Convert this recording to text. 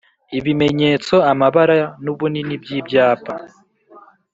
Ibimenyetso, amabara n’ubunini by’ibyapa